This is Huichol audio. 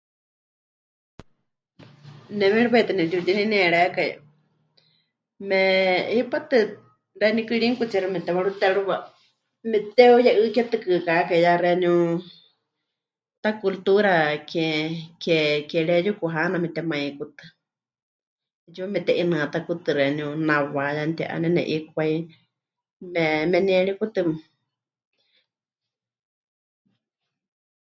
Ne méripai tɨ nepɨtiutinenierékai me..., hipátɨ xeeníu gringotsiixi memɨtewarutérɨwa mepɨte'uye'ɨketɨkɨkakai ya xeeníu tacultura ke... ke... ke reyukuhana metemaikutɨ, 'eetsiwa mete'inɨatakutɨ xeeníu nawá ya mɨti'ánene 'ikwai, me... menieríkutɨ.